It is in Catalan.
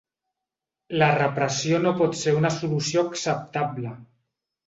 La repressió no pot ser una solució acceptable.